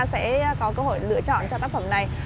sẽ có cơ hội lựa chọn cho tác phẩm này